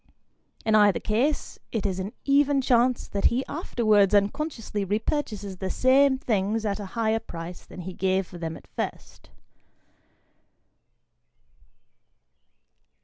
In either case, it is an even chance that he afterwards unconsciously repurchases the same things at a higher price than he gave for them at first.